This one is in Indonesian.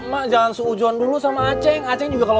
mak jangan seujuan dulu sama aceng